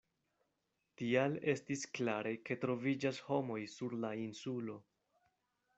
Tial estis klare, ke troviĝas homoj sur la insulo.